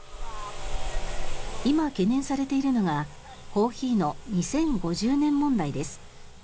今、懸念されているのがコーヒーの２０５０年問題です。